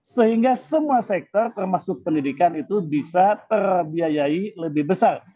sehingga semua sektor termasuk pendidikan itu bisa terbiayai lebih besar